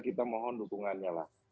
kita mohon dukungannya